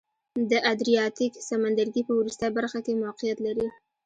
د ادریاتیک سمندرګي په وروستۍ برخه کې موقعیت لري.